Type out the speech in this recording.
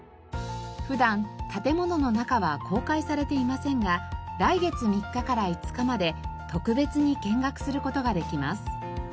普段建物の中は公開されていませんが来月３日から５日まで特別に見学する事ができます。